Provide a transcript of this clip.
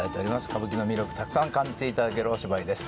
歌舞伎の魅力たくさん感じていただけるお芝居です